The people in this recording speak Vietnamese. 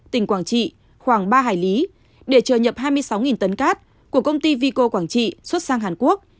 tỉnh quảng trị khoảng ba hải lý để chờ nhập hai mươi sáu tấn cát của công ty vico quảng trị xuất sang hàn quốc